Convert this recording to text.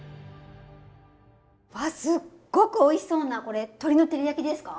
わあすっごくおいしそうな。これ鶏の照り焼きですか？